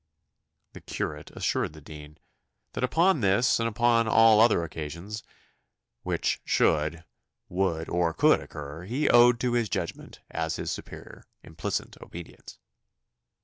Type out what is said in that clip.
The curate assured the dean, "that upon this, and upon all other occasions, which should, would, or could occur, he owed to his judgment, as his superior, implicit obedience."